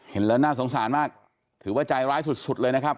เห็นแล้วน่าสงสารมากถือว่าใจร้ายสุดเลยนะครับ